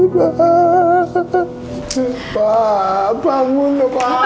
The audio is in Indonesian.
pak bangun pak